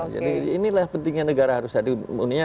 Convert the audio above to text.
jadi inilah pentingnya negara harus hadir